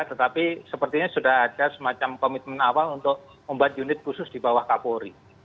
tetapi sepertinya sudah ada semacam komitmen awal untuk membuat unit khusus di bawah kapolri